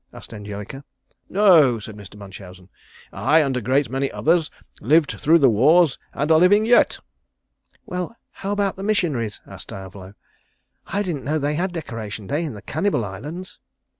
asked Angelica. "No," said Mr. Munchausen. "I and a great many others lived through the wars and are living yet." "Well, how about the missionaries?" said Diavolo. "I didn't know they had Decoration Day in the Cannibal Islands."